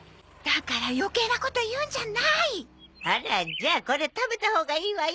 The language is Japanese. じゃあこれ食べたほうがいいわよ。